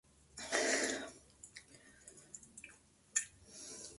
Sus títulos por la conclusión de capítulos son Comandante o Pirata entre otros.